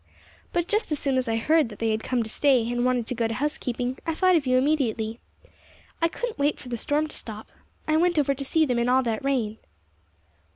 But just as soon as I heard that they had come to stay, and wanted to go to housekeeping, I thought of you immediately. I couldn't wait for the storm to stop. I went over to see them in all that rain."